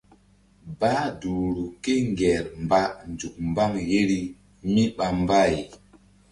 Bah duhru kéŋger mba nzuk mbaŋ yeri míɓa mbay.